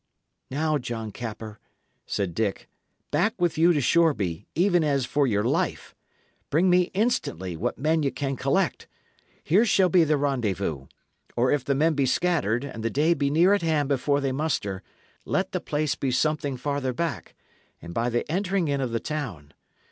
"Now, John Capper," said Dick, "back with you to Shoreby, even as for your life. Bring me instantly what men ye can collect. Here shall be the rendezvous; or if the men be scattered and the day be near at hand before they muster, let the place be something farther back, and by the entering in of the town.